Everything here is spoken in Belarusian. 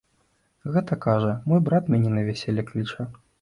Гэта, кажа, мой брат мяне на вяселле кліча.